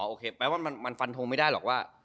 โอเคแปลว่ามันฟันทงไม่ได้หรอกว่า